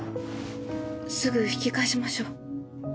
すぐ引き返しましょう。